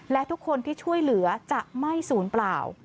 และทุกคนที่ช่วยเหลือจะไม่ศูนย์เปล่า